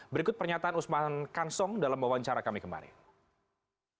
berikut pernyataan usman kansong dalam wawancara kami kemarin